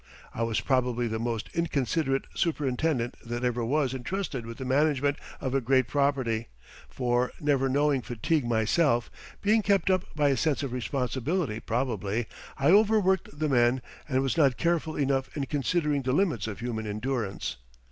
I was probably the most inconsiderate superintendent that ever was entrusted with the management of a great property, for, never knowing fatigue myself, being kept up by a sense of responsibility probably, I overworked the men and was not careful enough in considering the limits of human endurance.